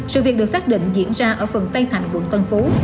sự việc được xác định diễn ra ở phường tây thành quận tân phú